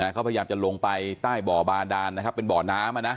เขาพยายามจะลงไปใต้บ่อบาดานนะครับเป็นบ่อน้ำ